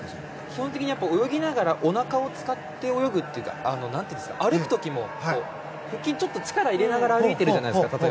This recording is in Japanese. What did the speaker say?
基本的に泳ぎながらおなかを使って泳ぐというか歩く時も腹筋にちょっと力を入れながら歩いてるじゃないですか。